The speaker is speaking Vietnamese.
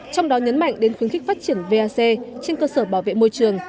trong đó nhấn mạnh đến khuyến khích phát triển vac trên cơ sở bảo vệ môi trường